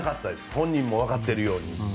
本人も分かっているように。